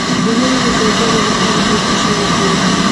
د وینې د زیاتوالي لپاره باید څه شی وخورم؟